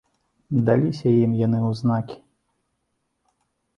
Даліся ім яны ў знакі.